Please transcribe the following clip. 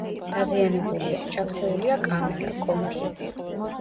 დაზიანებულია: ჩაქცეულია კამარა, კონქი.